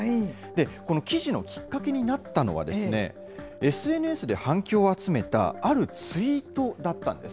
この記事のきっかけになったのは、ＳＮＳで反響を集めた、あるツイートだったんです。